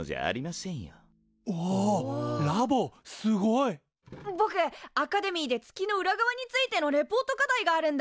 すごい！ぼくアカデミーで月の裏側についてのレポート課題があるんだ。